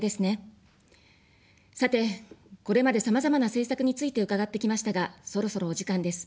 さて、これまで、さまざまな政策について伺ってきましたが、そろそろお時間です。